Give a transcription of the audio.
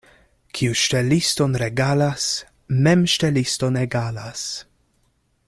Kiu ŝteliston regalas, mem ŝteliston egalas.